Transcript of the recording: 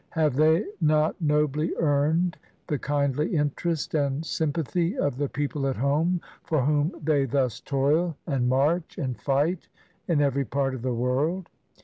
Have they not nobly earned the kindly interest and sympa thy of the people at home, for whom they thus toil and march and fight in every part of the world?